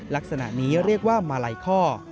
ลักษณะนี้เรียกว่ามาลัยข้อ